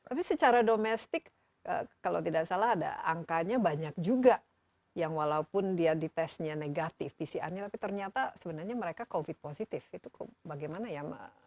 tapi secara domestik kalau tidak salah ada angkanya banyak juga yang walaupun dia ditesnya negatif pcr nya tapi ternyata sebenarnya mereka covid positif itu bagaimana ya